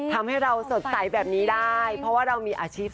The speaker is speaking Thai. ทำให้เราสดใสแบบนี้ได้เพราะว่าเรามีอาชีพ